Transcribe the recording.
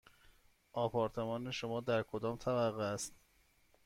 آپارتمان شما در کدام طبقه است؟